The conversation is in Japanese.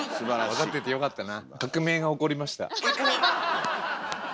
分かっててよかったな。